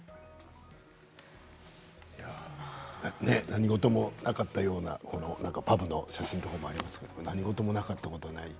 何事もなかったようなパブの写真とかもありましたけれども何事もなかったことはない。